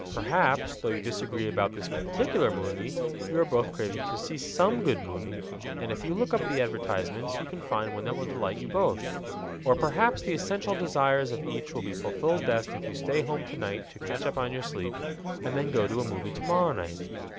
Perhaps, though you disagree about this particular movie, you both are craving to see some good movie; and if you look up the advertisements, you can find one that will delight you both. Or perhaps the essential desires of each will be fulfilled best if you stay home tonight to catch up on your sleep, and then go to a movie tomorrow night.